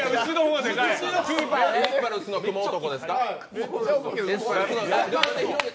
エスパルスのクモ男ですか。